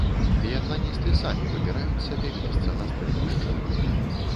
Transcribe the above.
Біятланісты самі выбіраюць сабе месца на стрэльбішча.